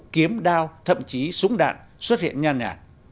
kiếm đao thậm chí súng đạn xuất hiện nhan nhạt